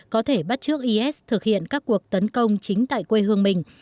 có thể bắt trước is thực hiện các cuộc tấn công chính tại quê hương mình